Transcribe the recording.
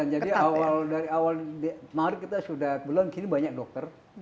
jadi dari awal dari awal dari awal kita sudah belum kini banyak dokter